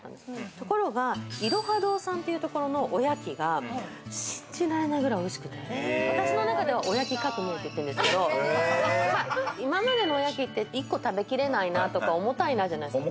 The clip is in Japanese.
ところが、いろは堂さんというところのおやきが信じられないくらいおいしくておやき革命って言ってるんですけれど、今までのおやきって１個食べきれないなとか重たいなじゃないですか。